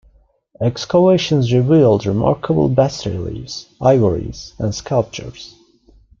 Excavations revealed remarkable bas-reliefs, ivories, and sculptures.